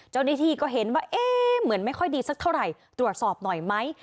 เจ้าหน้าที่ก็เห็นว่าเอ๊ะเหมือนไม่ค่อยดีสักเท่าไหร่ตรวจสอบหน่อยไหม